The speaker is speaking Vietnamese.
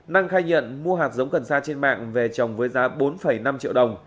năng khai nhận mua hạt giống cần sa trên mạng về trồng với giá bốn năm triệu đồng